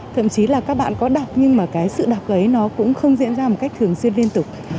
thậm chí là các bạn có đọc nhưng mà cái sự đọc ấy nó cũng không diễn ra một cách thường xuyên liên tục